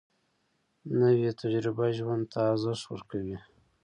نوې تجربه ژوند ته ارزښت ورکوي